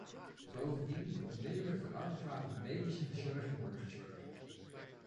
Bovendien moet onmiddellijk voor adequate medische verzorging worden gezorgd.